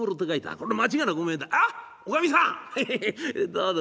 どうぞ。